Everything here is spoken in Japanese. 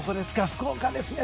福岡ですね。